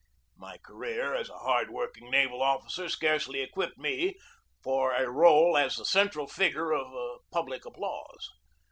My career as a hard working naval officer scarcely equipped me for a role as the central figure of public applause.